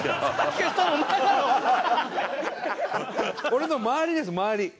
俺の周りです周り。